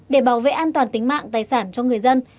để bảo vệ an toàn tính mạng tài sản cho người dân